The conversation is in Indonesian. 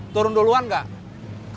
turun duluan gak